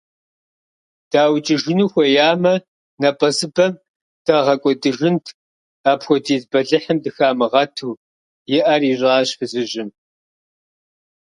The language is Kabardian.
ДаукӀыжыну хуеямэ, напӀэзыпӀэм дагъэкӀуэдыжынт, апхуэдиз бэлыхьым дыхамыгъэту, – и Ӏэр ищӀащ фызыжьым.